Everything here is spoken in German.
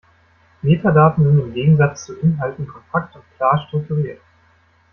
Metadaten sind im Gegensatz zu Inhalten kompakt und klar strukturiert.